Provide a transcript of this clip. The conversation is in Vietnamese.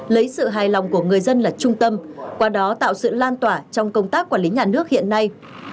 lấy sự hài lòng của người dân là trung tâm qua đó tạo sự lan tỏa trong công tác quản lý nhà nước hiện nay